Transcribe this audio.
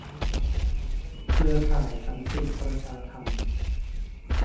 เครือข่ายสันติประชาธรรม